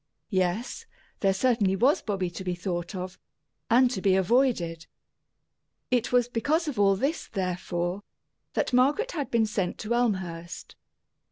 Yes, there certainly was Bobby to be thought of and to be avoided. It was because of all this, therefore, that Margaret had been sent to Elmhurst.